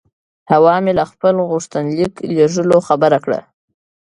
حوا مې له خپل غوښتنلیک لېږلو خبره کړه.